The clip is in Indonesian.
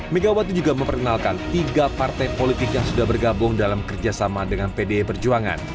megawati juga memperkenalkan tiga partai politik yang sudah bergabung dalam kerjasama dengan pdi perjuangan